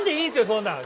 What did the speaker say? そんなん。